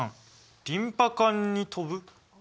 「『リンパ管』に飛ぶ」？